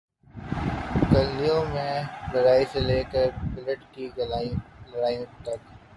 گلیوں میں لڑائی سے لے کر بیلٹ کی لڑائی تک،